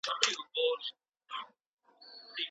حساسیت د درملو په وړاندي څه نښي لري؟